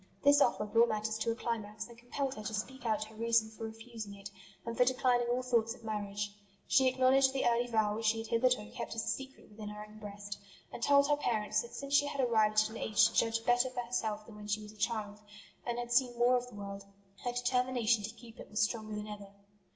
This offer brought matters to a climax, and compelled her to speak out her reason for refusing it, and for declining all thoughts of marriage. She acknowledged the early vow which she had hitherto kept as a secret within her own breast, and told her parents that since she had arrived at an age to judge better for herself than when she was a child, and had seen more of the world, her determination to keep it was stronger than ever.